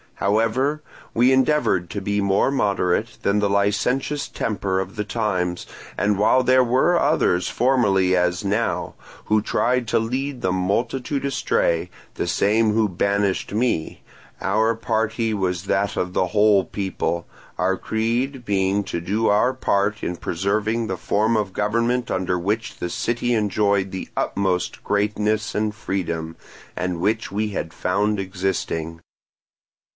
However, we endeavoured to be more moderate than the licentious temper of the times; and while there were others, formerly as now, who tried to lead the multitude astray—the same who banished me—our party was that of the whole people, our creed being to do our part in preserving the form of government under which the city enjoyed the utmost greatness and freedom, and which we had found existing.